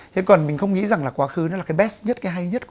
thế còn mình không nghĩ rằng là quá khứ nó là cái best nhất cái hay nhất